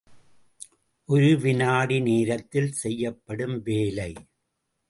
ஒரு வினாடி நேரத்தில் செய்யப்படும் வேலை.